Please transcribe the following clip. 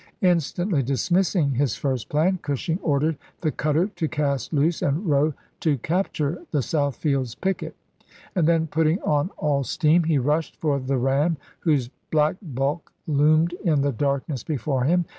Instantly dismissing his first plan, Cush ing ordered the cutter to cast loose and row to cap ture the Southfield's picket ; and then, putting on all steam, he rushed for the ram, whose black bulk loomed in the darkness before him.